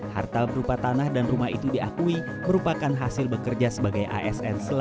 harta berupa tanah dan rumah itu diakui merupakan hasil bekerja sebagai asn